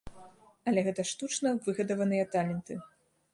Але гэта штучна выгадаваныя таленты.